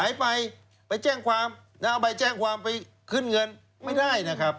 หายไปไปแจ้งความนะเอาใบแจ้งความไปขึ้นเงินไม่ได้นะครับ